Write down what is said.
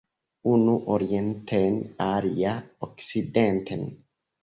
Unu orienten, alia okcidenten.